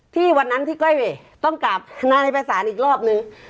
ที่วันนั้นที่ก้อยต้องกลับนั่นในภาษาอีกรอบหนึ่ง